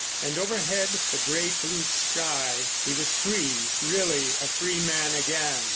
And, overhead, the great blue sky. He was free, really a free man again.